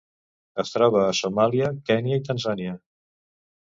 Es troba a Somàlia, Kenya i Tanzània.